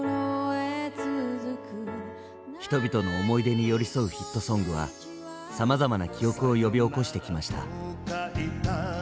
人々の思い出に寄りそうヒットソングはさまざまな記憶を呼び起こしてきました。